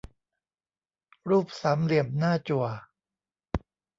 รูปสามเหลี่ยมหน้าจั่ว